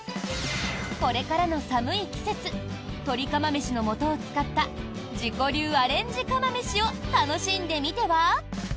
これからの寒い季節「とり釜めしの素」を使った自己流アレンジ釜飯を楽しんでみては？